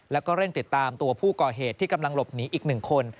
แล้วก็เร่งติดตามตัวผู้ก่อเหตุที่กำลังหลบหนีอีก๑คน